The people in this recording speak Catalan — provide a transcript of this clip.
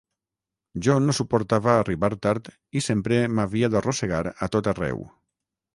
John no suportava arribar tard i sempre m'havia d'arrossegar a tot arreu.